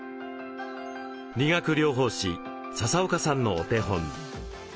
理学療法士笹岡さんのお手本。